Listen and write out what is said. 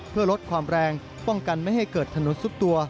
เพื่อลดความแรงป้องกันไม่ให้เกิดถนนซุดตัว